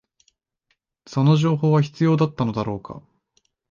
その情報は必要だったのだろうか